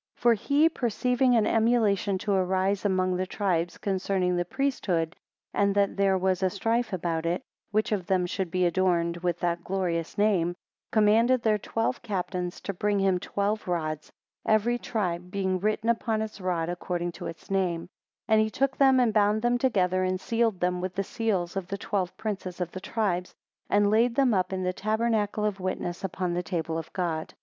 9 For he, perceiving an emulation to arise among the tribes concerning the priesthood, and that there was a strife about it, which of them should be adorned with that glorious name; commanded their twelve captains to bring to him twelve rods; every tribe being written upon its rod, according to its name, 10 And he took them and bound them together, and sealed them with the seals of the twelve princes of the tribes: and laid them up in the tabernacle of witness, upon the table of God.